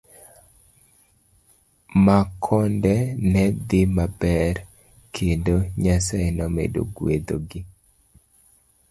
Makonde ne dhi maber kendo Nyasaye nomedo gwetho gi.